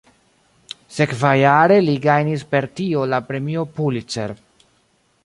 Sekvajare li gajnis per tio la Premio Pulitzer.